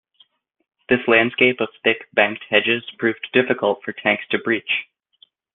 This landscape of thick banked hedges proved difficult for tanks to breach.